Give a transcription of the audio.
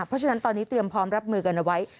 เพราะฉะนั้นตอนนี้เตรียมพร้อมรับมือกันเอาไว้